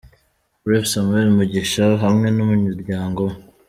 Rev Samuel Mugisha hamwe n'umuryango we.